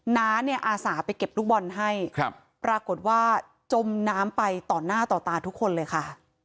น้าเนี่ยอาสาไปเก็บลูกบอลให้ปรากฏว่าจมน้ำไปต่อหน้าต่อตาทุกคนเลยค่ะ